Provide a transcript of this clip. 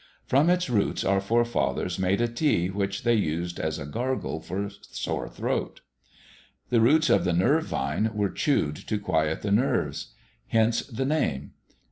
From its roots our forefathers made a tea which they used as a gargle for sore throat. The roots of the nerve vine were chewed to quiet the nerves; hence the name.